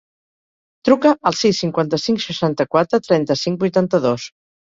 Truca al sis, cinquanta-cinc, seixanta-quatre, trenta-cinc, vuitanta-dos.